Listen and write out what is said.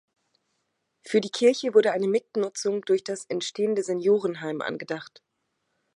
Für die Kirche wurde eine Mitnutzung durch das entstehende Seniorenheim angedacht.